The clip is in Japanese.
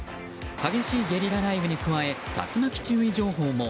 激しいゲリラ雷雨に加え竜巻注意情報も。